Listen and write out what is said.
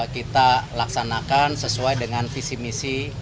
kita laksanakan sesuai dengan visi misi